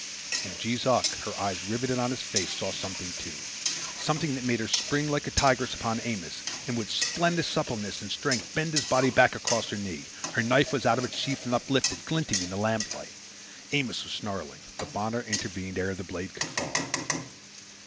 And Jees Uck, her eyes riveted on his face, saw something too, something that made her spring like a tigress upon Amos, and with splendid suppleness and strength bend his body back across her knee. Her knife was out of its sheaf and uplifted, glinting in the lamplight. Amos was snarling; but Bonner intervened ere the blade could fall.